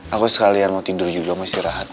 aku sekalian mau tidur juga istirahat